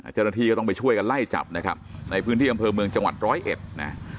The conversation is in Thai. เจ้าหน้าที่ก็ต้องไปช่วยกันไล่จับนะครับในพื้นที่อำเภอเมืองจังหวัดร้อยเอ็ดนะ